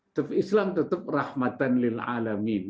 tetap islam tetap rahmatan lil'alamin